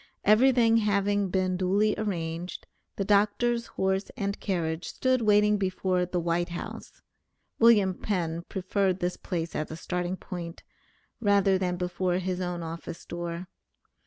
Everything having been duly arranged, the doctor's horse and carriage stood waiting before the White House (William Penn preferred this place as a starting point, rather than before his own office door).